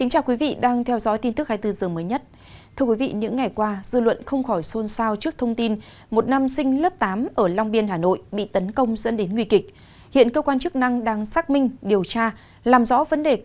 hãy đăng ký kênh để ủng hộ kênh của chúng mình nhé